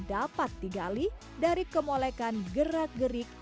dapat digali dari kemolekan gerak gerik